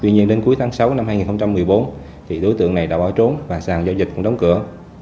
tuy nhiên đến cuối tháng sáu năm hai nghìn một mươi bốn đối tượng này đã bỏ trốn và sàn giao dịch cũng đóng cửa